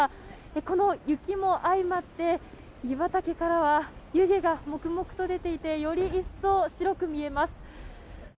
この雪も相まって湯畑からは湯気がもくもくと出ていてより一層、白く見えます。